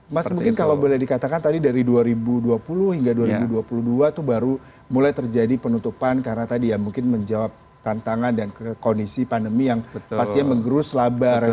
mas mungkin kalau boleh dikatakan tadi dari dua ribu dua puluh hingga dua ribu dua puluh dua itu baru mulai terjadi penutupan karena tadi ya mungkin menjawab tantangan dan kondisi pandemi yang pastinya mengerus laba resto